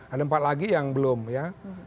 ada empat lagi yang belum ya